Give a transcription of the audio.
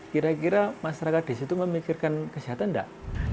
kira kira masyarakat di situ memikirkan kesehatan enggak